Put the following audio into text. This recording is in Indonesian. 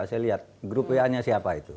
saya lihat grup wa nya siapa itu